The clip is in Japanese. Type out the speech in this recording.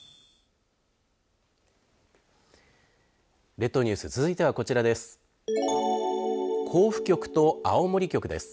列島ニュース続いてはこちらです。